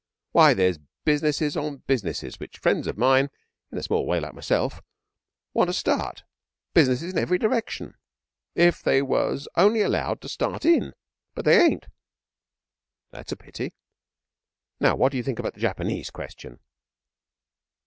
Why, there's businesses on businesses which friends of mine in a small way like myself want to start. Businesses in every direction if they was only allowed to start in. But they ain't.' 'That's a pity. Now, what do you think about the Japanese question?'